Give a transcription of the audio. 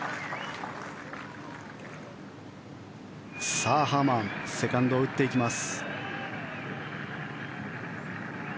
さあ、ハーマンセカンドを打っていきます。